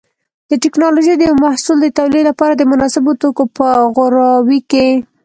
د ټېکنالوجۍ د یو محصول د تولید لپاره د مناسبو توکو په غوراوي کې.